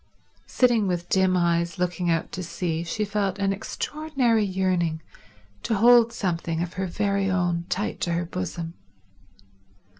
Sitting with dim eyes looking out to sea she felt an extraordinary yearning to hold something of her very own tight to her bosom.